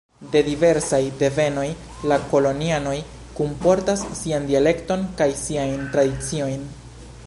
De diversaj devenoj, la kolonianoj kunportas sian dialekton kaj siajn tradiciojn.